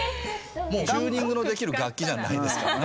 チューニングのできる楽器じゃないですからね